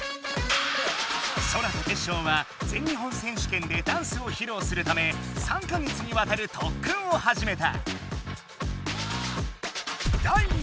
ソラとテッショウは全日本選手権でダンスをひろうするため３か月にわたるとっくんをはじめた。